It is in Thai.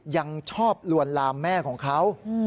ยังชอบลวนลามแม่ของเขา